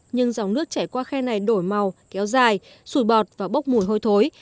nhưng dòng nước chảy qua khe này đổi màu kéo dài sủi bọt và bốc mùi hôi thối